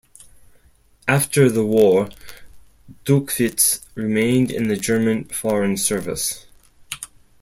After the war, Duckwitz remained in the German foreign service.